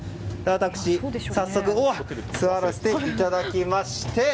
私、早速座らせていただきまして。